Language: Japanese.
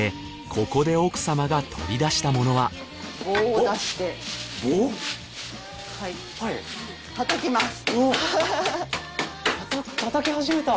ここで奥様が取り出したものは叩き始めた。